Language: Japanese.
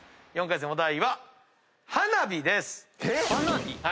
４回戦お題は「花火」です。